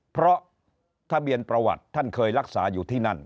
เพราะทะเบียนประวัติท่านเคยรักษาอยู่ที่นั่น